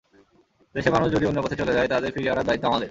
দেশের মানুষ যদি অন্য পথে চলে যায়, তাদের ফিরিয়ে আনার দায়িত্ব আমাদের।